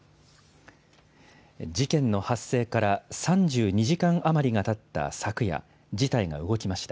事件の発生から３２時間余りがたった昨夜、事態が動きました。